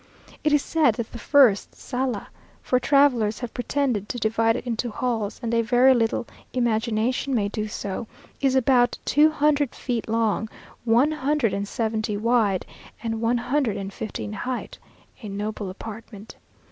It is said that the first sala, for travellers have pretended to divide it into halls, and a very little imagination may do so, is about two hundred feet long, one hundred and seventy wide, and one hundred and fifty in height a noble apartment.